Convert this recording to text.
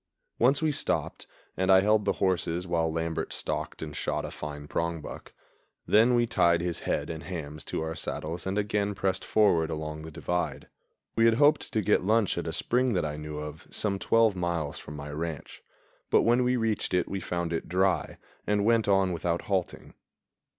Once we stopped, and I held the horses while Lambert stalked and shot a fine prongbuck; then we tied his head and hams to our saddles and again pressed forward along the divide. We had hoped to get lunch at a spring that I knew of some twelve miles from my ranch, but when we reached it we found it dry and went on without halting.